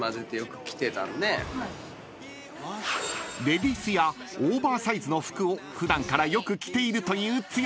［レディースやオーバーサイズの服を普段からよく着ているという剛］